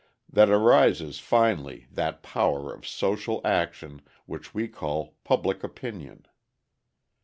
that arises finally that power of social action which we call public opinion.